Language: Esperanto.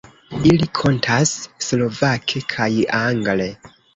Ili kantas slovake kaj angle.